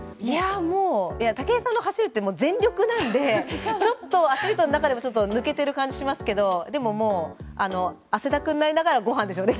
もう武井さんの走るって全力なんでちょっとアスリートの中でもちょっと抜けてる感じしますけど汗だくになりながらご飯でしょうね。